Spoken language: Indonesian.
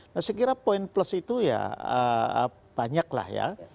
nah sekiranya poin plus itu ya banyaklah ya